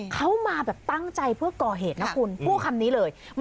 เขามาแบบตั้งใจเพื่อก่อเหตุนะคุณพูดคำนี้เลย